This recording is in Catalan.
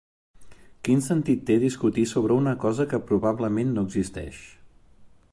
Quin sentit té discutir sobre una cosa que probablement no existeix?